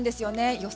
予想